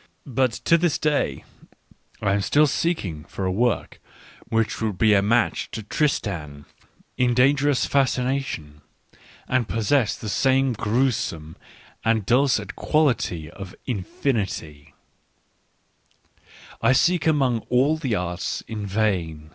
... But to this day I am still seeking for a work which would be a match to Tristan in Digitized by Google "V 44 ECCE HOMO dangerous fascination, and possess the same grue some and dulcet quality of infinity ; I seek among all the arts in vain.